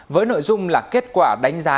với nội dung là kết quả đánh giá